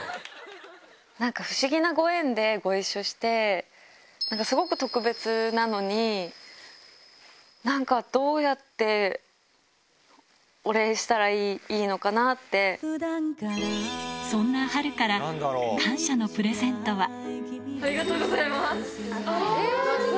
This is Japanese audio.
なんか不思議なご縁でご一緒して、なんかすごく特別なのに、なんか、どうやってお礼したらいそんな波瑠から、感謝のプレありがとうございます。